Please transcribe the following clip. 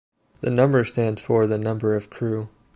The number stands for the number of crew.